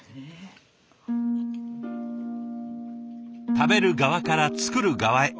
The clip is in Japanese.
食べる側から作る側へ。